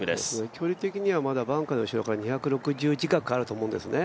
距離的にはまだバンカーの後ろから２６０近くあると思うんですね。